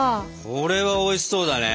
これはおいしそうだね。